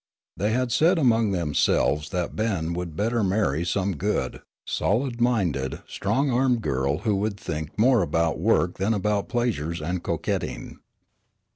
They had said among themselves that Ben would better marry some good, solid minded, strong armed girl who would think more about work than about pleasures and coquetting.